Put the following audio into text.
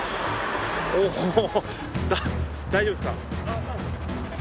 大丈夫ですか。